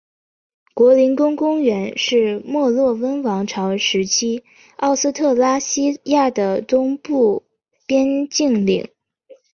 图林根公国是墨洛温王朝时期奥斯特拉西亚的东部边境领。